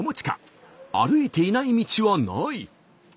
歩いていない道はない。